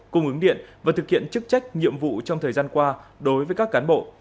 cung ứng điện và thực hiện chức trách nhiệm vụ trong thời gian qua đối với các cán bộ